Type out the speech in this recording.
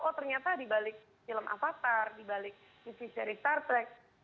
oh ternyata di balik film avatar di balik city series star trek